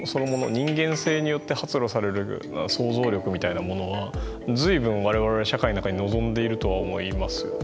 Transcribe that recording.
人間性によって発露される想像力みたいなものは随分我々社会の中に望んでいると思いますよね。